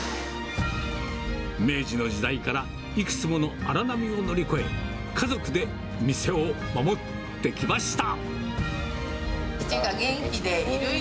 明治の時代からいくつもの荒波を乗り越え、家族で店を守ってきました。